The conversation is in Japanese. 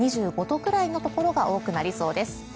２５度くらいのところが多くなりそうです。